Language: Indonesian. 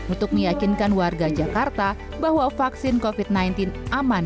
untuk meyakinkan warga jakarta bahwa vaksin covid sembilan belas aman